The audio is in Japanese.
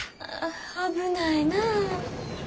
危ないなぁ。